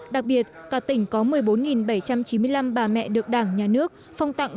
đặc biệt cả tỉnh có một mươi bốn bảy trăm chín mươi năm bà mẹ được đảng nhà nước phong tặng